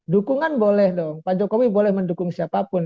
dukungan boleh dong pak jokowi boleh mendukung siapapun